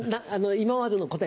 今までの答え